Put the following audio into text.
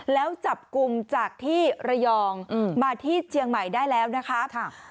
แล้วจับกลุ่มจากที่ระยองมาที่เชียงใหม่ได้แล้วนะคะ